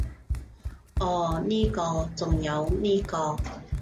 噢呢個，仲有呢個